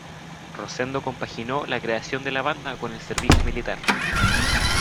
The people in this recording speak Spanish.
Rosendo compaginó la creación de la banda con el servicio militar.